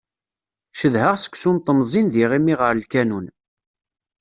Cedhaɣ seksu n temẓin d yiɣimi ɣer lkanun.